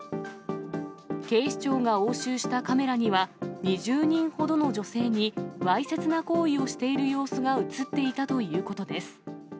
警視庁が押収したカメラには、２０人ほどの女性にわいせつな行為をしている様子が写っていたということです。